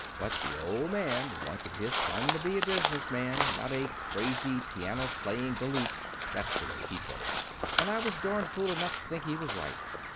But the old man wanted his son to be a business man, not a crazy, piano playing galoot. That's the way he put it. And I was darn fool enough to think he was right.